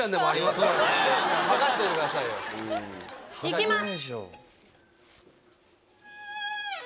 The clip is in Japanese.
行きます。